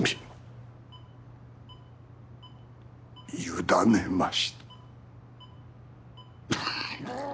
委ねました。